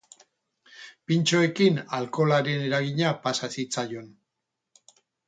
Pintxoekin alkoholaren eragina pasa zitzaion.